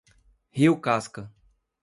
Rio Casca